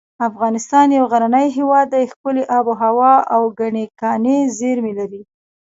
افغانستان یو غرنی هیواد دی ښکلي اب هوا او ګڼې کاني زیر مې لري